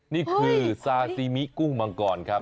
นี่คือซาซีมิกุ้งมังกรครับ